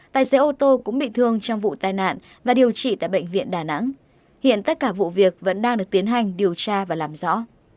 tài xế ô tô cũng bị thương trong vụ tai nạn và điều trị tại bệnh viện đà nẵng hiện tất cả vụ việc vẫn đang được tiến hành điều tra và làm rõ